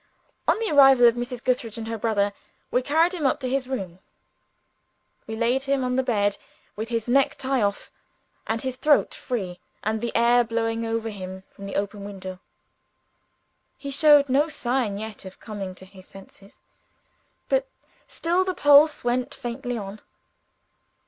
On the arrival of Mrs. Gootheridge and her brother, we carried him up to his room. We laid him on the bed, with his neck tie off, and his throat free, and the air blowing over him from the open window. He showed no sign yet of coming to his senses. But still the pulse went faintly on.